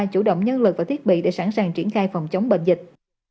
chủ động nhân lực và thiết bị để sẵn sàng triển khai phòng chống bệnh dịch